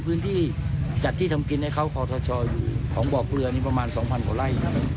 พื้นที่จัดที่ทำกินให้เขาคอทชอยู่ของบ่อเกลือนี่ประมาณ๒๐๐กว่าไร่